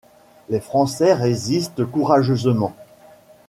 Les Français résistent courageusement.